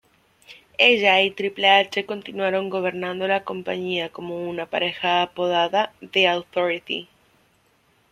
Ella y Triple H continuaron gobernando la compañía como una pareja apodada The Authority.